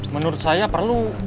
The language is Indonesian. menurut saya perlu